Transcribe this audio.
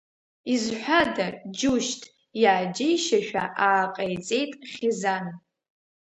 Изҳәада, џьушьҭ, иааџьеишьашәа ааҟеиҵеит Хьизан.